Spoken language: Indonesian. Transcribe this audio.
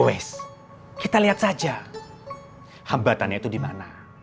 yoes kita lihat saja hambatannya itu dimana